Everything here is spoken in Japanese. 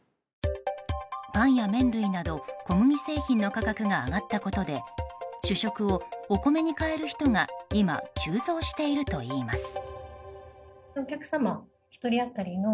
パンや麺類など小麦製品の価格が上がったことで主食をお米に変える人が今、急増しているといいます。